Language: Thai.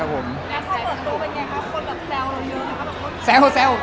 แล้วความเหมือนตัวเป็นยังไงครับคนแซวเราเยอะนะครับ